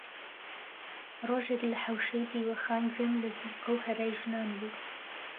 ڕۆژێک لە حەوشەی دیوەخان گوێم لە زیقە و هەرای ژنان بوو